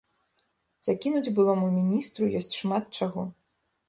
Закінуць былому міністру ёсць шмат чаго.